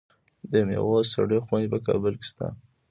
د میوو سړې خونې په کابل کې شته.